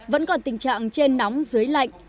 vẫn còn tình trạng trên nóng dưới lạnh